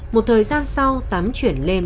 một thời gian sau tám chuyển lên